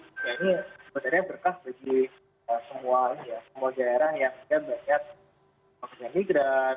ini sebenarnya berkah bagi semua daerah yang punya banyak pekerjaan negeri